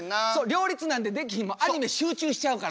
両立なんてできひんアニメ集中しちゃうから。